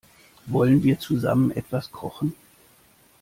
Wollen wir zusammen etwas kochen?